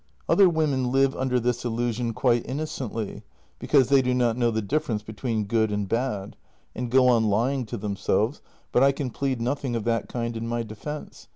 " Other women live under this illusion quite innocently, be cause they do not know the difference between good and bad, JENNY 171 and go on lying to themselves, but I can plead nothing of that kind in my defence.